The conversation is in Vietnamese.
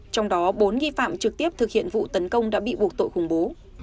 trong đó bốn nghi phạm trực tiếp thực hiện vụ tấn công đã bị buộc tội khủng bố